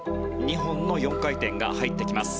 ２本の４回転が入ってきます。